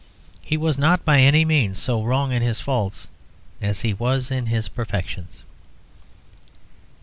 He was not by any means so wrong in his faults as he was in his perfections.